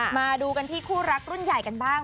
มาดูกันที่คู่รักรุ่นใหญ่กันบ้าง